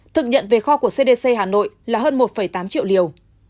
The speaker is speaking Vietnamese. thực nhận về kho của cdc hà nội là hơn một tám triệu liều